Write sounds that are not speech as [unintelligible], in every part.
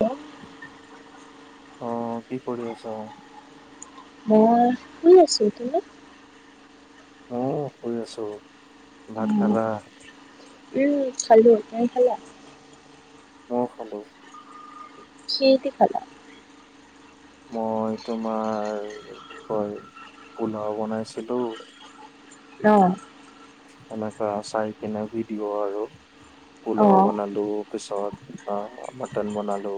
অঁ [unintelligible] অঁ, কি কৰি আছা? মই শুনি আছোঁ। তুমি? অঁ, শুই আছো। ভাত উম, খালা? খালো, তুমি খালা? অঁ খালো। কিহেদি খালা? মই তোমাৰ কি কয় পোলাওঁ বনাইছিলো। অঁ আমাৰ ঘৰ চাই কিনে ভিদিঅ' বনালো আৰু অ পোলাও বনালো। তাৰপিছত মটন বনালো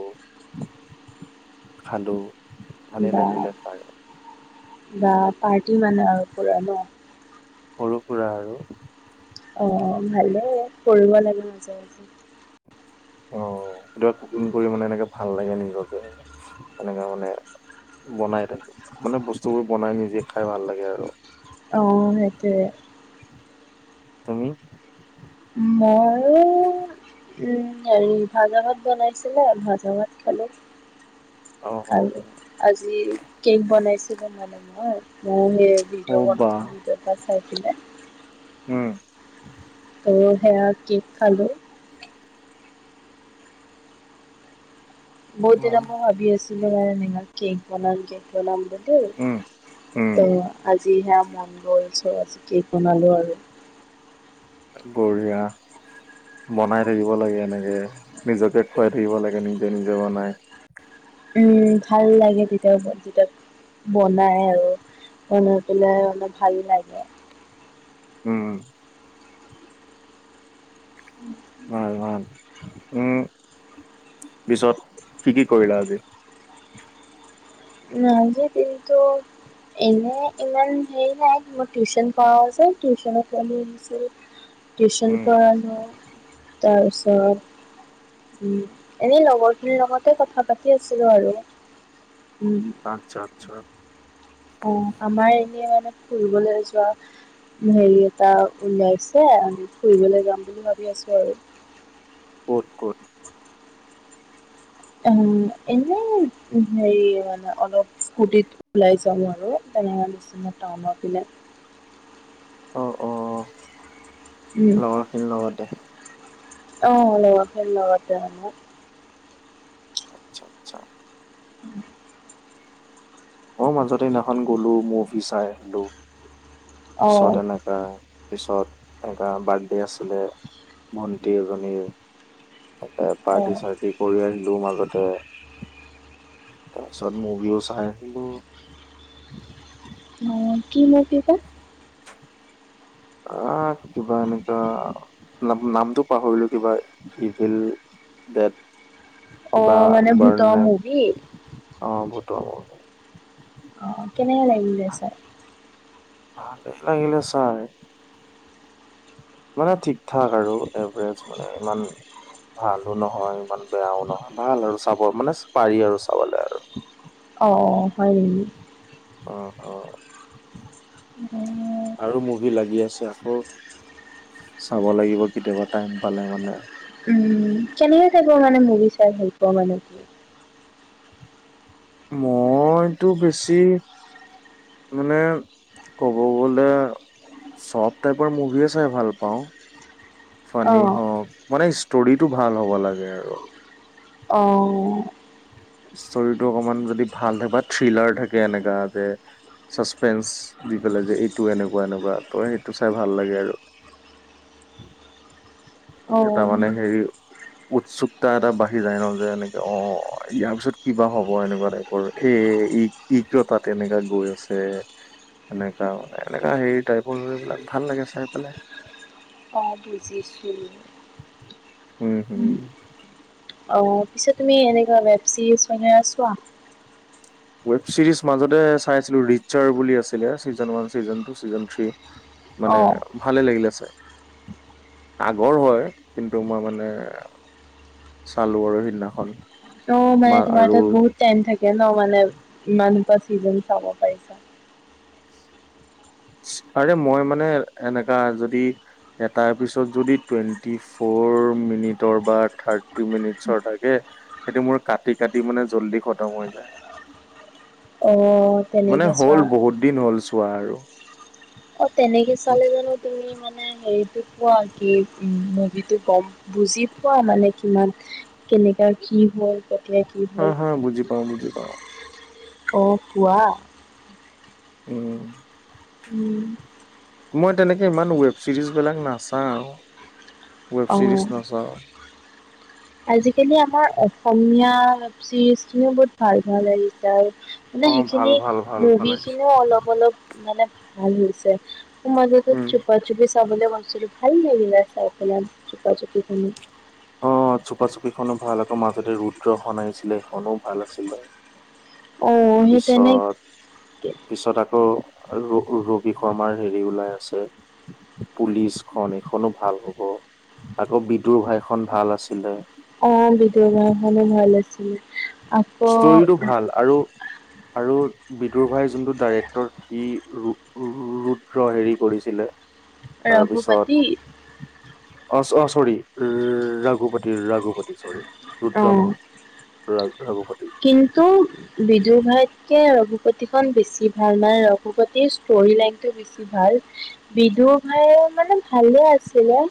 খালোঁ। বা বা পাৰ্টি মানে আৰু পোৰা ন। সৰু সুৰা আৰু ন। অঁ ভালেই কৰিব লাগে মাজে মাজে। অ কেতিয়াবা কুকিং কৰি মানে এনেকে ভাল লাগে নিজকে আৰু। সনেকে মানে বনাই মানে বস্তুবোৰ বনাই নিজে খাই ভাল লাগে আৰু। অঁ সেইটোৱে। তুমি? মইও উম হেৰি ভাজা ভাত বনাইছিলে ভাজা ভাত খালোঁ। অ অ আৰু আজি কেক বনাইছিলো মানে মই মই সেই অ ভিদিঅ' কল বাহ ভিদিঅ' এটা চাই পিনে। উম আৰু সেয়া কেক খালো। বহুত দিনা বাহ মই ভাবি আছিলো মানে ইমান কেক বনাম কেক বনাম বুলি উম, উম, আজি সেয়া মন গ'ল চ' আজি কেক বনালোঁ আৰু। বঢ়িয়া। বনাই থাকিব লাগে এনেকে, নিজকে খুৱাই থাকিব লাগে নিজে নিজে বনাই। উম ভাল লাগে তেতিয়া [unintelligible] ম যেতিয়া বনাই আৰু বনাই পেলাই অলপ ভাল লাগে। উম। উম। [unintelligible] ভাল ভাল, উম পিছত কি কি কৰিলা আজি? আজি দিনতো এনে ইমান হেৰি নাই, মই টিউচন কৰাও যে টিউচন টিউচন উম, পঢ়ালো, তাৰপিছত উম, এনেই লগৰখিনিৰ লগতে কথা পাতি আছিলো আৰু। উম। আচ্ছা আচ্ছা। [unintelligible] অ' আমাৰ এনেই মানে ফুৰিবলৈ যোৱা হেৰি এটা উললাইছে, আমি ফুৰিবলৈ যাম বুলি ভাবি আছো আৰু। ক'ত ক'ত? উম এনে হেৰি মানে অলপ স্কুটিত ওলাই যাওঁ আৰু, তেনেকুৱা নিছিনা টাউনৰ পিনে। অ', অ', লগৰ খিনিৰ লগতে। অঁ, লগৰখিনী লগতে। আচ্ছা আচ্ছা। উম [unintelligible] অ' মাজত এদিনাখন গ'লো মোভি চাই আহিলো, অ' ওচৰত এনেকে তাৰ পিছত এটা বাৰ্থডে আছিলে ভন্টি এজনীৰ। তাতে পাৰ্টি অ'। চাৰ্টি কৰি আহিলো মাজতে। তাৰপিছত মভিও চাই আহিলো। অ', কি মোভি বা? আহ, কিবা এনেকা নাম- নামটো পাহৰিলো কিবা ইভিল দেট বা অ' মানে বাৰণ ভূতৰ নাই মুভি। অ', [unintelligible] অ', কেনেকা লাগিলে চায়? ভালেই লাগিলে চাই। মানে ঠিক ঠাক আৰু এভাৰেজ মানে ইমান ভালো নহয়, ইমান বেয়াও নহয়, ভাল আৰু চাব। মানে পাৰি আৰু চাবলৈ আৰু। অ', হয় নেকি? অ', অ'। [inaudible] আৰু মুভি লাগি আছে, আকৌ চাব লাগিব কেতিয়াবা টাইম পালে মানে। উম, কেনেকা টাইপৰ মানে মুভি চাই ভালপোৱা মানে? মই তো বেছি মানে ক'ব গ'লে চব টাইপৰ মুভিয়ে চাই ভাল পাওঁ। ফানী অ' হওঁক, মানে ষ্টৰিটো ভাল হ'ব লাগে আৰু। অ'। ষ্টৰিটো অকমান যদি ভাল থাকে বা থ্ৰিলাৰ থাকে এনেকা যে চাচপেঞ্চ দি পেলাই যে এইটো এনেকুৱা, এনেকুৱা ত' সেইটো চাই ভাল লাগে আৰু। [inaudible] এটা মানে অ' হেৰি উৎসুকতা এটা বাঢ়ি যায় ন' যে এনেকে অ', অ' ইয়াৰ পিছত কিবা হ'ব এনেকুৱা টাইপৰ। এ, ই- ই কিয় তাত এনেকুৱা গৈ আছে। এনেকা মানে, এনেকা হেৰি টাইপৰ সেইবিলাক ভাল লাগে চাই পেলাই। অ', বুজিছোঁ। উম, হুম। অ', পিছে তুমি এনেকুৱা ৱেব চিৰিজ মানে চোৱা? ৱেব ছিৰিজ মাজতে চাইছিলোঁ ৰিচাৰ বুলি আছিলে, season one, season two, season three. মানে অ', ভালে লাগিলে চাই। আগৰ হয়, কিন্তু মই মানে চালোঁ আৰু সেইদিনাখন। অ', মানে তোমাৰ তাত বহুত টাইম থাকে ন' মানে ইমান বা চিজন চাব পাৰিছা। আৰে মই মানে এনেকা যদি এটাৰ পিছত যদি টুৱেণ্টি ফ'ৰ মিনিটৰ বা থাৰ্টি মিনিটছৰ থাকে! সেইটো মোৰ কাটি, কাটি মানে জল্দি খতম হৈ যায়। অ', অ'। মানে হ'ল বহুত দিন হ'ল চোৱা আৰু। অ', তেনেকে চালে জানো তুমি মানে হেৰিটো পোৱা, কি উম, মুভিটো গম। বুজি পোৱা মানে কিমান কেনেকা কি হ'ল? এতিয়া কি হা হ'ল। হা বুজি পাওঁ বুজি পাওঁ অ', পোৱা। উম। উম। মই তেনেকে ইমান ৱেব ছিৰিজবিলাক নাচাওঁ, ৱেব অ'। চিৰিজ নাচাওঁ। আজিকালি আমাৰ অসমীয়া চিৰিজখিনিও বহুত ভাল, ভাল আহিছে আৰু। মানে অ ভাল সেইখিনি ভাল ভাল ভাল আহিছে মুভিখিনিও অলপ, অলপ মানে ভাল হৈছে। আকৌ মাজতে উম চুপা চুপি চাবলে মন গৈছিলোঁ, ভাল লাগিলে চাই পেলাই চুপা চুপিখনো। অ চোপা চুপি খনো ভাল আকৌ মাজতে ৰুদ্ৰখন আহিছিলে এখনো ভাল আছিলে। অ' সেই পিছত তেনেকে পিছত আকৌ ৰু ৰোবি শৰ্মাৰ হেৰি ওলাই আছে। পুলিচ খন এইখনো ভাল হ'ব আকৌ বিদুৰ ভাই খন ভাল আছিলে। অঁ বিদুৰ ভাই খনো ভাল আছিলে। আকৌ ষ্টৰিটো ভাল আৰু আৰু বিদুৰ ভাইৰ যোনটো ডাইৰেক্টৰ সি ৰো ৰো ৰুদ্ৰ হেৰি কৰিছিলে তাৰপিছত ৰঘুপতি অ ছ অ চৰি উ ৰঘুপতি ৰাঘুপতি। টি চৰি ৰুদ্ৰ অ' নহয় ৰঘ ৰঘুপতি। কিন্তু! বিদুৰ ভাইতকে ৰঘুপতি খন বেছি ভাল মানে ৰঘুপতিৰ ষ্টৰি লাইক টো বেছ ছি ভাল বিদুৰ ভাই মানে ভালে আছিলে।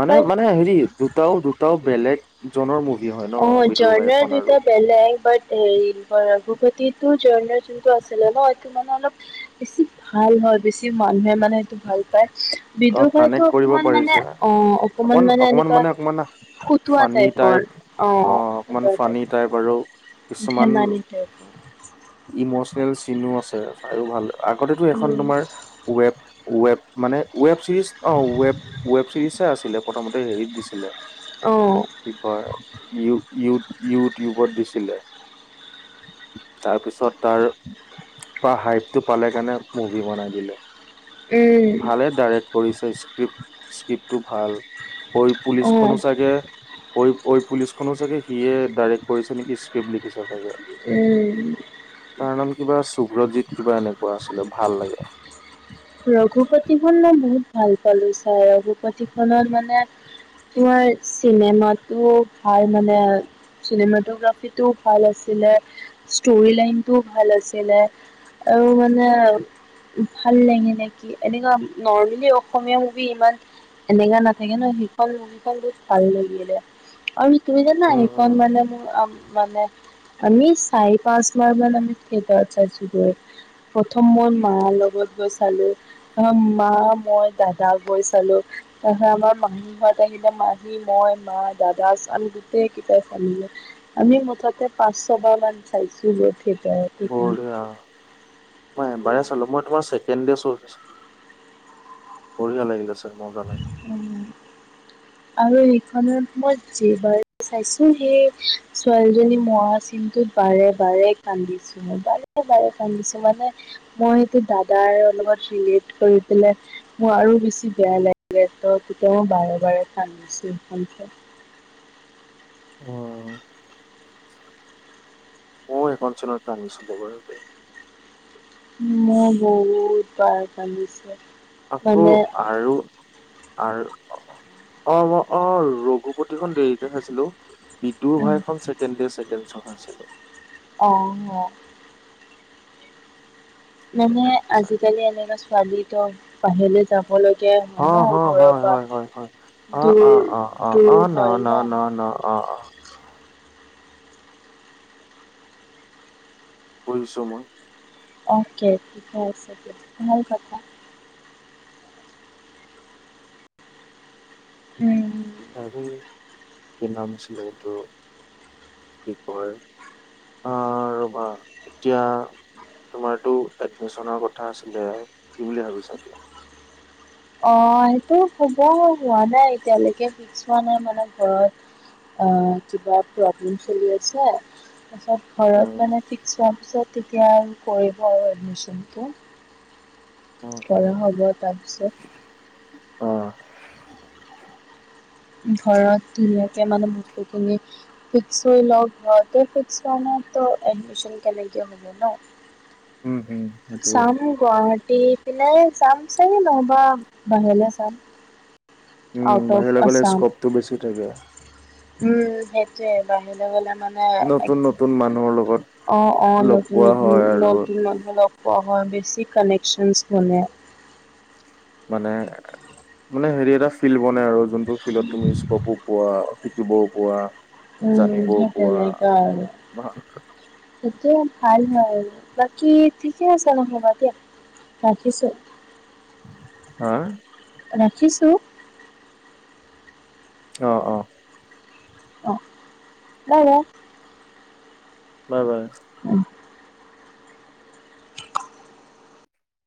মানে বাট মানে হেৰি দুটাও দুটাও বেলেগ জনৰ মুভি হয় ন বিদুৰভাই খন আৰু বেলে হয় ৰঘুপততো জৰনৰ যোনটো আছিলে ন এইটো মানে অলপ বেলেগ বেছি ভাল হয় বেছি মানুহে মানে সেইটো ভাল পায়। অ বিদুৰ ভাইতো কানেক্ট কৰিব অকমান মানে পাৰিছে অ অকমান মানে এনেকুৱা খুতোৱা ফানী টাইপৰ টাইপ অ অঁ অঁ ক অকমান তাইক ফানী টাইপ আৰু কিছুমান ধেমালিতে ইমচনেল চিনো আছে চাইও ভাল আগতেতো এখন উম তোমাৰ ৱেব ৱেব মানে ৱেব চিৰিছ অ ৱেব ৱেব চিৰিছে আছিলে প্ৰথমতে হেৰিত দিছিলে অঁ! কি কই ইউ ইউট ইউটিউবত দিছিলে। তাৰ পিছত তাৰ তাৰ হাইপ টো পালে কাৰণে মুভি বনাই দিলে। উম ভালে ডাইৰেক্ট কৰিছে স্ক্ৰিপট স্ক্ৰিপ্টটো ভাল। ঐ অ', পুলিচখনো চাগে। ঐ ঐ পুলিচখনো চাগে সিয়ে ডাইৰেক্ট কৰিছে নেকি স্ক্ৰিপ্ট লিখিছে চাগে। উম। তাৰ নাম কিবা সুভ্ৰজিত কিবা এনেকুৱা আছিলে ভাল লাগে। ৰঘুপতিখন মই বহুত ভাল পালো ছাই, ৰঘুপতিখনত মানে তোমাৰ চিনেমাটো ভাল মানে। চিনেমাটোগ্ৰাফিটোও ভাল আছিলে ষ্টৰি লাইনটোও ভাল আছিলে। আৰু মানে ভাল [inaudible] নে কি এনেকুৱা নৰ্মেলি অসমীয়া মুভি ইমান এনেকা নাথাকে ন সেইখন মুভিখন বহুত ভাল লাগিলে। আৰু তুমি জানা উম উম সেইখন মানে মোৰ আ মানে আমি চাৰি পাঁচ বাৰমান আমি থিয়েটাৰত চাইছোগৈ। প্ৰথম মোৰ মা লগত গৈছ চালো আ মা মই দাদা গৈ চালো। ত সেইয়া আমাৰ মাহীহঁত আহিলে মাহী মই মা দাদা চালো [inaudible] আমি মুঠতে পাঁচ ছবাৰ মান চাইছো গৈ থিয়েটাৰত। [inaudible] সেইখন মই এবাৰে চালো মই তোমাৰ ছেকেণ্ড দে চ বঢ়িয়া লাগিলে চাই মজা লা উম, আৰু সেইখনত মই যেইবাৰ চাইছোঁ সেই ছোৱালীজনী মৰা চিনটোত বাৰে, বাৰে কান্দিছোঁ মই বাৰে, বাৰে কান্দিছোঁ, মানে মই সেইটো দাদাৰ অলমান [unintelligible] কৰি পেলাই মোৰ আৰু বেছি বেয়া লাগে, ত তেতিয়াওঁ বাৰে, বাৰে কান্দিছোঁ সেইখন চাই। মইওঁ এইকন চিনত কান্দিছিলোঁ বাৰু তে। মৌ বহুত বাৰ কান্দিছে। আকৌ আৰু আৰ অ' মই অ' ৰঘুপতিখন দেৰিকে চাইছিলোঁ। বিদুৰ উম ভাই খন ছেকেণ্ড দে ছেকেণ্ড চ' চাইছিলোঁ। অ' ভাল মানে, লাগিল চাই আজিকালি এনেকুৱা ছোৱালী তই বাহিৰলে যাবলৈ একে হয় অ ন, হ ঘৰৰ হয় হয় হয় হয় পৰা অ অ দূৰ, অ অ দূৰ হয় ন? অ' ন, অ' অ'। বুজিছোঁ মই। অ'কে, ঠিকে আছে দিয়া [unintelligible] কথা। উম, তাৰোঁ কি নাম আছিলে, এইটো কি কয় অ' ৰ'বা এতিয়া তোমাৰটো এডমিচনৰ কথা আছিলে, কি বুলি ভাবিছা এতিয়া? অ' সেইটো হ'ব হোৱা নাই, এতিয়ালৈকে ফিক্স হোৱা নাই মানে ঘৰত। অ' কিবা প্ৰব্লেম চলি আছে। তাৰপিছত উম ঘৰত মানে ফিক্স হোৱা পিছত তেতিয়া কৰিব আৰু এডমিচনটো। উম অ কৰা হ'ব তাৰপিছত। অ', ঘৰত ধুনীয়াকে মানে, বস্তুখিনি ফিক্স হৈ ল'ক ঘৰতে ফিক্স হোৱা নাই ত, এডমিচন কেনেকে হ'ব ন। উম সেইটোৱে [unintelligible] গুৱাহাটী পিনে চাম চাগে নহ'বা বাহিৰলে চাম। আউট অফ সেইফালে আছাম স্কোপটো বেছি থাকে। উম, সেইটোয়ে বাহিৰলে গ'লে মান নতুন, নতুন মানুহৰ লগত অ'অ' লগ নতুন, পোৱা নতুন হয় আৰু নতুন, নতুন লগ পোৱা হয়, বেছি কানেকচন বনে। মানে, মানে হেৰি এটা ফিল্ড বনে আৰু যোনটো ফিল্ডত তুমি স্কপো পোৱা। শিকিবওঁ পোৱা। উম, জানিবও সেই পোৱা তেনেকা আৰু হা সিটোৱে ভাল হয় আৰু কি ঠিকে আছে নহ'বা দে, ৰাখিছোঁ। হা? ৰাখিছোঁ। অ' অ' অ' [unintelligible] [unintelligible] অ',